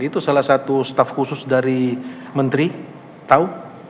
itu salah satu staff khusus dari menteri tahu